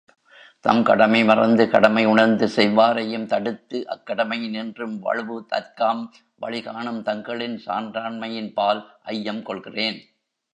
தம் கடமை மறந்து, கடமை உணர்ந்து செய்வாரையும் தடுத்து, அக்கடமையினின்றும் வழுவுதற்காம் வழிகாணும் தங்களின் சான்றாண்மையின்பால் ஐயங் கொள்கிறேன்.